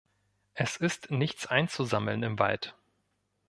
Es ist nichts einzusammeln im Wald.